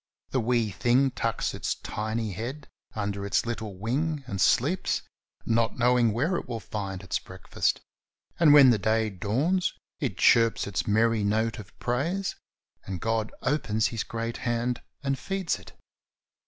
The wee thing tucks its tiny head under its little wing and sleeps, not knowing where it will find its breakfast, and when the day dawns it chirps its merry note of praise, and God opens His great hand and feeds it.